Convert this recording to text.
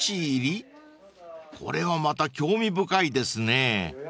［これはまた興味深いですね］